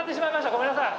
ごめんなさい。